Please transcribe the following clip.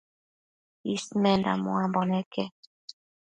Ismenda muambo neque